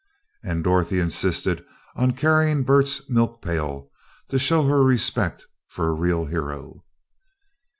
and Dorothy insisted on carrying Bert's milk pail to show her respect for a real hero.